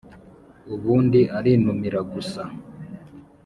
ubundi arinumira gusa